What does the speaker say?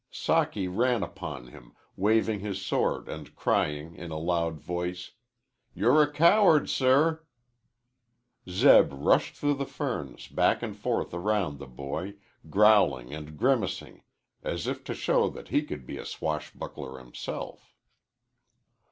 Socky ran upon him, waving his sword and crying, in a loud voice, "You're a coward, sir!" Zeb rushed through the ferns, back and forth around the boy, growling and grimacing as if to show that he could be a swashbuckler himself.